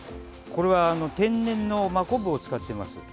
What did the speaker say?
これは天然の真昆布を使っています。